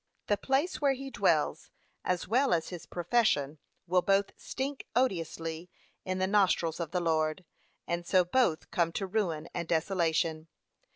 The place where he dwells, as well as his profession, will both stink odiously in the nostrils of the Lord, and so both come to ruin and desolation.